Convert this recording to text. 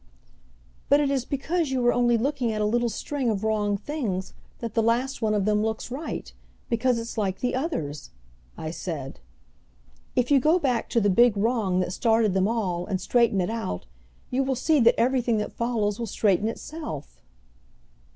"But it is because you are only looking at a little string of wrong things, that the last one of them looks right, because it's like the others," I said. "If you go back to the big wrong that started them all and straighten it out, you will see that everything that follows will straighten itself."